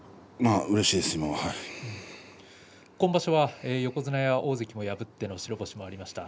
今場所は横綱や大関を破っての白星がありました。